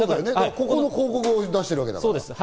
ここの広告を出してるわけだから。